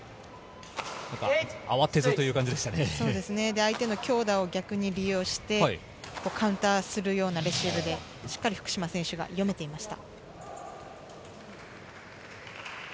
相手の強打を逆に利用して、カウンターするようなレシーブでしっかり福島選手が読めていました。